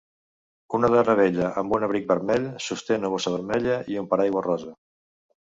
Una dona vella amb un abric vermell sosté una bossa vermella i un paraigua rosa